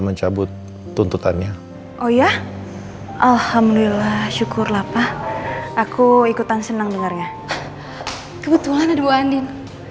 mencabut tuntutannya oh ya alhamdulillah syukur lapah aku ikutan senang dengarnya kebetulan aduanin